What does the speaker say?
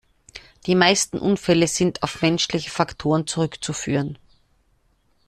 Die meisten Unfälle sind auf menschliche Faktoren zurückzuführen.